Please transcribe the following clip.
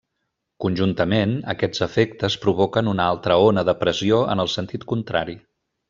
Conjuntament, aquests efectes provoquen una altra ona de pressió en el sentit contrari.